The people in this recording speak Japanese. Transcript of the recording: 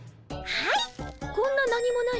はい！